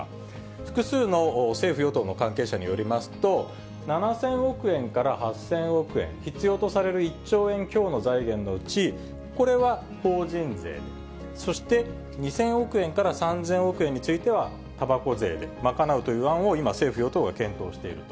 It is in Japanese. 複数の政府・与党の関係者によりますと、７０００億円から８０００億円、必要とされる１兆円強の財源のうち、これは法人税、そして２０００億円から３０００億円については、たばこ税で賄うという案を、今、政府・与党が検討していると。